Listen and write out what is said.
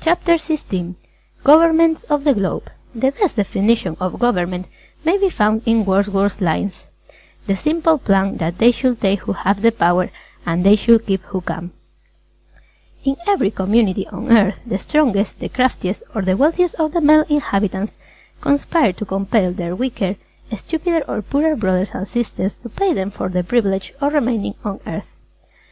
CHAPTER XVI GOVERNMENTS OF THE GLOBE The best definition of Government may be found in Wordsworth's lines: "The simple plan That they should take who have the power And they should keep who can." In every community on Earth, the strongest, the craftiest or the wealthiest of the male inhabitants conspire to compel their weaker, stupider or poorer brothers and sisters to pay them for the privilege of remaining on earth.